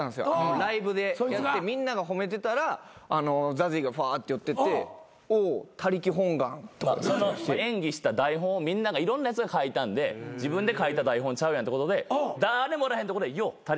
ライブでやってみんなが褒めてたらＺＡＺＹがファーって寄ってって「おう他力本願」とか。演技した台本をいろんなやつが書いたんで自分で書いた台本ちゃうやんってことで誰もおらへんとこで「よう他力本願」って。